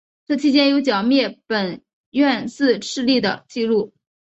这期间有剿灭本愿寺势力的纪录。